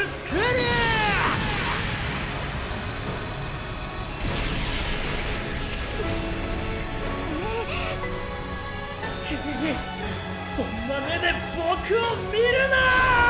クッそんな目でボクを見るな！